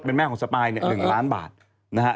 เป็นแม่ของสปายเนี่ย๑ล้านบาทนะฮะ